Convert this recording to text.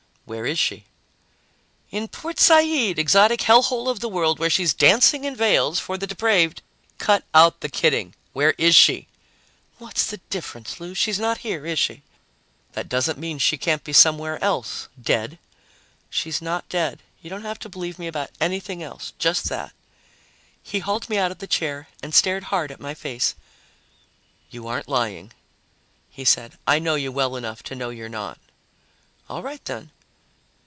"Where is she?" "In Port Said, exotic hellhole of the world, where she's dancing in veils for the depraved " "Cut out the kidding! Where is she?" "What's the difference, Lou? She's not here, is she?" "That doesn't mean she can't be somewhere else, dead." "She's not dead. You don't have to believe me about anything else, just that." He hauled me out of the chair and stared hard at my face. "You aren't lying," he said. "I know you well enough to know you're not." "All right, then."